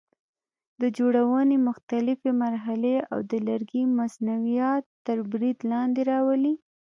د جوړونې مختلفې مرحلې او د لرګي مصنوعات تر برید لاندې راولي.